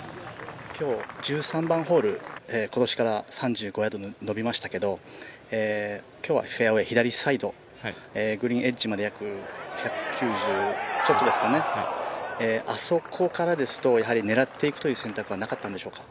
今日、１３番ホール、今年から３５ヤード伸びましたけど今日はフェアウエー左サイド、グリーンエッジまで約１９０ちょっとですかね、あそこからですとやっぱり狙っていくという選択肢はなかったんでしょうか。